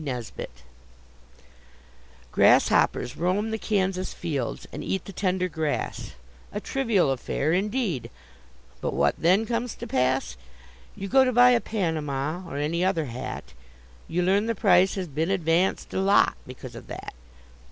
NESBIT Grasshoppers roam the Kansas fields and eat the tender grass A trivial affair, indeed, but what then comes to pass? You go to buy a panama, or any other hat; You learn the price has been advanced a lot because of that.